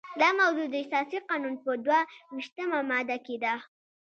دا موضوع د اساسي قانون په دوه ویشتمه ماده کې ده.